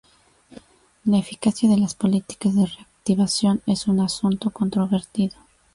La eficacia de las políticas de reactivación es un asunto controvertido.